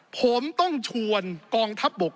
ผมต้องชวนกองทัพบก